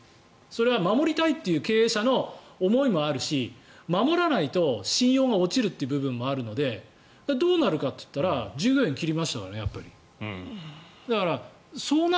それは守りたいっていう経営者の思いもあるし守らないと信用が落ちるという部分があるのでどうなるかといったら従業員を切りましたからねやっぱり。